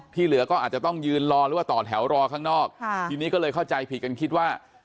เหลือก็อาจจะต้องยืนรอหรือว่าต่อแถวรอข้างนอกทีนี้ก็เลยเข้าใจผิดกันคิดว่า